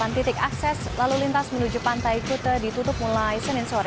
sembilan titik akses lalu lintas menuju pantai kute ditutup mulai senin sore